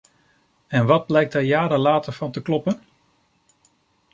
En wat blijkt daar jaren later van te kloppen?